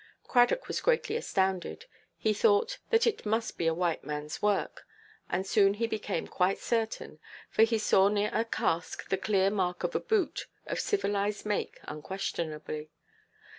Cradock was greatly astounded. He thought that it must be a white manʼs work; and soon he became quite certain, for he saw near a cask the clear mark of a boot, of civilized make, unquestionably.